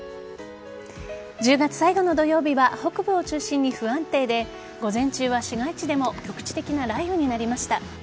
１０月最後の土曜日は北部を中心に不安定で午前中は市街地でも局地的な雷雨になりました。